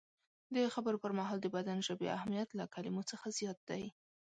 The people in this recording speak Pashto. د خبرو پر مهال د بدن ژبې اهمیت له کلمو څخه زیات دی.